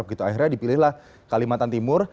akhirnya dipilihlah kalimantan timur